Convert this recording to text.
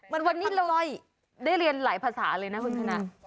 วันนี้เลยได้เรียนหลายภาษาเลยนะคุณชนะ